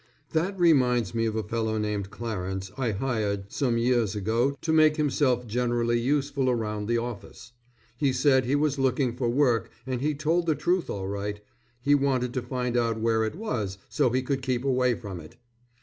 That reminds me of a fellow named Clarence I hired some years ago to make himself generally useful around the office. He said he was looking for work and he told the truth all right. He wanted to find out where it was, so he could keep away from it.